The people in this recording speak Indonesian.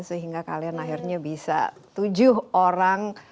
sehingga kalian akhirnya bisa tujuh orang